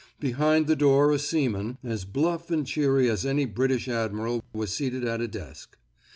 Behind the door a seaman, as bluff and cheery as any British Admiral was seated at a desk.